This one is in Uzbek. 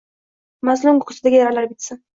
Mazlum ko’ksidagi yaralar bitsin.